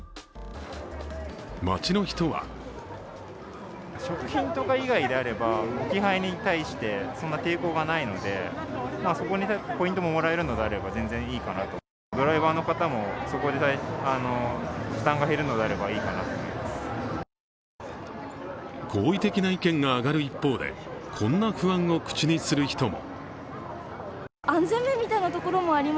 街の人は好意的な意見が上がる一方でこんな不安を口にする人も。